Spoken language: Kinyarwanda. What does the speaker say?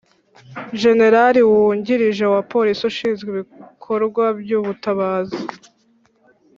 Jenerali Wungirije wa Polisi ushinzwe ibikorwa by’ubutabazi